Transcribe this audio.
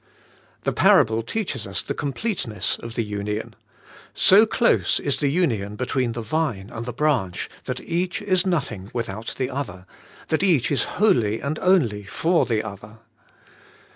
The parable teaches us the completeness of the union. So close is the union between the vine and the branch, that each is nothing without the other, that each is wholly and only for the other.